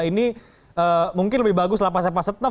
ini mungkin lebih bagus lah pas pas set tough